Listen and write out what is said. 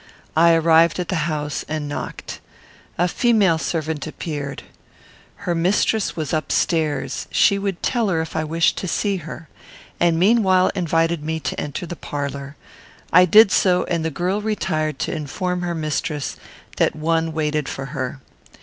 I arrived at the house and knocked. A female servant appeared. "Her mistress was up stairs; she would tell her if I wished to see her," and meanwhile invited me to enter the parlour; I did so; and the girl retired to inform her mistress that one waited for her.